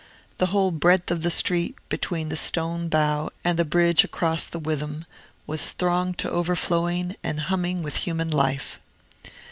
The whole breadth of the street, between the Stone Bow and the bridge across the Witham, was thronged to overflowing, and humming with human life.